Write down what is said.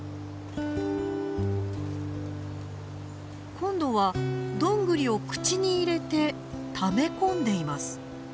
今度はドングリを口に入れてため込んでいます。